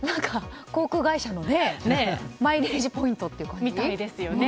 航空会社のマイレージポイントって感じですね。